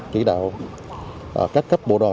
chỉ đạo các cấp bộ đoàn